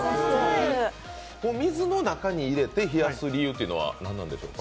水の中に入れて冷やす理由というのは何なんでしょうか？